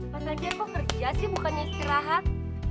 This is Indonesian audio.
mas anjar kok kerja sih bukannya istirahat